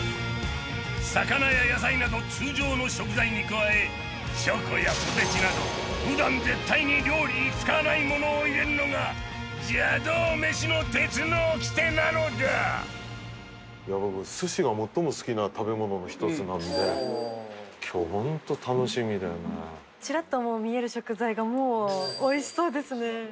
魚や野菜など通常の食材に加えチョコやポテチなど普段絶対に料理に使わないものを入れるのが邪道メシの鉄の掟なのだ僕寿司が最も好きな食べ物の一つなので今日ホント楽しみでねちらっと見える食材がもうおいしそうですね